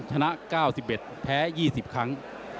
ชนะ๙๑แพ้๒๐ครั้ง